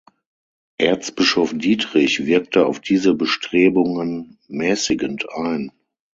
Erzbischof Dietrich wirkte auf diese Bestrebungen mäßigend ein.